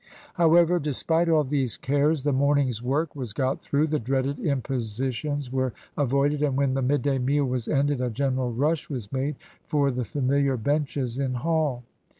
However, despite all these cares, the morning's work was got through, the dreaded impositions were avoided, and when the midday meal was ended a general rush was made for the familiar benches in Hall.